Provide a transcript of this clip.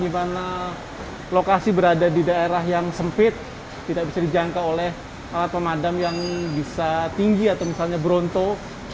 di mana lokasi berada di daerah yang sempit tidak bisa dijangka oleh alat pemadam yang bisa tinggi atau misalnya beronto